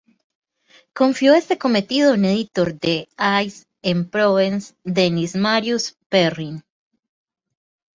Confió este cometido a un editor de Aix-en-Provence, Denis Marius Perrin.